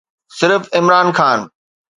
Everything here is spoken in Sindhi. صرف عمران خان.